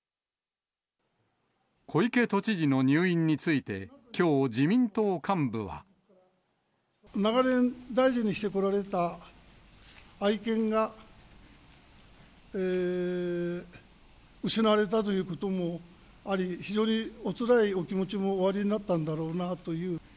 小池都知事の入院について、長年、大事にしてこられた愛犬が失われたということもあり、非常におつらいお気持ちもおありになったんだろうなという。